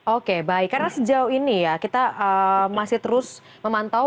oke baik karena sejauh ini ya kita masih terus memantau